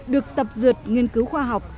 được tập dượt nghiên cứu khoa học